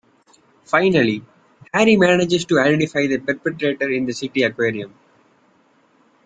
Finally, Harry manages to identify the perpetrator in the city aquarium.